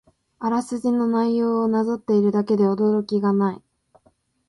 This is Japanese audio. あらすじの内容をなぞっているだけで驚きがない